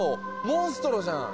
モンストロじゃん！